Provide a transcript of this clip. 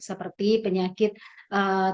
seperti penyakit tibetan